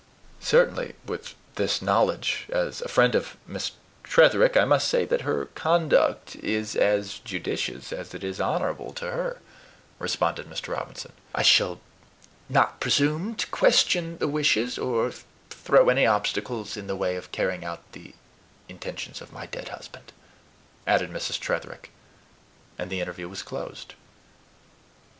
"Certainly, with this knowledge, as a friend of Miss Tretherick I must say that her conduct is as judicious as it is honorable to her," responded Mr. Robinson. "I shall not presume to question the wishes, or throw any obstacles in the way of carrying out the intentions, of my dead husband," added Mrs. Tretherick; and the interview was closed.